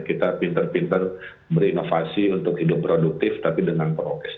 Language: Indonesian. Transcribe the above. kita pinter pinter berinovasi untuk hidup produktif tapi dengan prokes